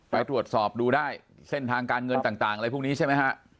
ไปตรวจสอบดูได้เส้นทางการเงินต่างอะไรพวกนี้ใช่ไหมฮะ